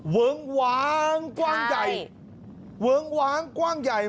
เวิ้งว้างกว้างใหญ่เวิ้งว้างกว้างใหญ่